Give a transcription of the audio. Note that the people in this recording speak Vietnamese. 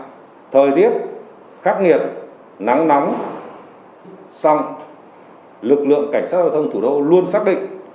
cả thời tiết khắc nghiệt nắng nắng xong lực lượng cảnh sát giao thông thủ đô luôn xác định